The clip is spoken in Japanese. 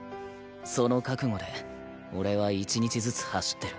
その覚悟で俺は１日ずつ走ってる。